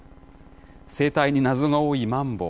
生態に謎が多いマンボウ。